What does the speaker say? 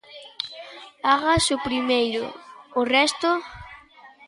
Agás o primeiro, o resto.